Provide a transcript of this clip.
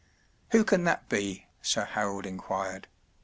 Who can that be ? ” Sir Harold inquired.